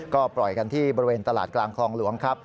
ก็ปล่อยกันที่บริเวณตลาดกลางคลองหลวงครับ